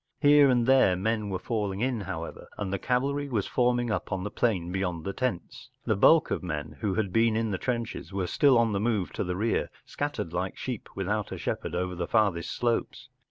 Here and there men were falling in, however, and the cavalry was forming up on the plain beyond the terns. The bulk of men who had been in the trenches were still on the move to the rear, scattered like sheep without a shepherd over the farther slopes.